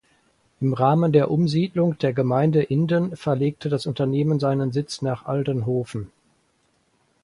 Im Rahmen der Umsiedlung der Gemeinde Inden verlegte das Unternehmen seinen Sitz nach Aldenhoven.